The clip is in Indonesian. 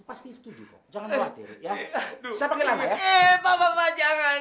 aduh repot banget gimana sih